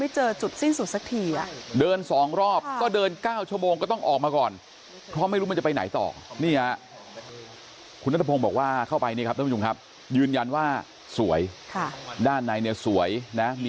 จุดสิ้นสุดซักทีอ่ะเดิน๒รอบก็เดิน๙ชั่วโมงต้องออกมาก่อนเพราะไม่รู้มันจะไปไหนต่อนี่อย่างนั้นคือส่องบอกว่าเข้าไปได้ครับว่าสวยฮะนานในเนี้ยสวยนะมี